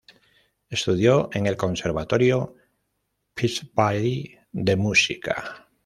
Estudió en el Conservatorio Peabody de música.